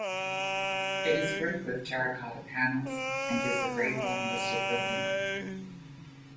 It is brick with terracotta panels and is a Grade One listed building.